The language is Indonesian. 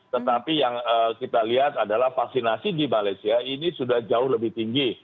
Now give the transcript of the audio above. tetapi yang kita lihat adalah vaksinasi di malaysia ini sudah jauh lebih tinggi